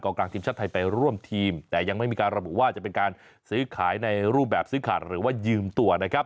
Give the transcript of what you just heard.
กลางทีมชาติไทยไปร่วมทีมแต่ยังไม่มีการระบุว่าจะเป็นการซื้อขายในรูปแบบซื้อขาดหรือว่ายืมตัวนะครับ